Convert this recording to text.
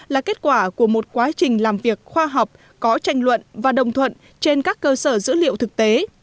là kết quả của một quá trình làm việc khoa học có tranh luận và đồng thuận trên các cơ sở dữ liệu thực tế